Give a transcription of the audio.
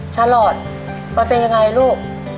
ฉลอดมันเป็นยังไงลูก